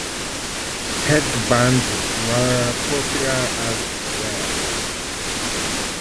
Headbands were popular as well.